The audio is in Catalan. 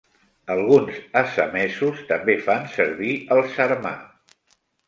Alguns assamesos també fan servir el Sarmah.